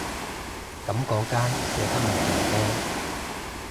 噉嗰間寫得唔掂啫